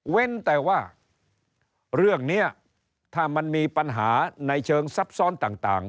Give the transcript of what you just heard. แต่ว่าเรื่องนี้ถ้ามันมีปัญหาในเชิงซับซ้อนต่าง